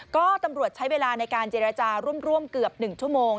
ก็ตำรวจใช้เวลาในการเจรจาร่วมเกือบ๑ชั่วโมง